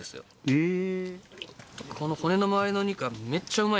へえ。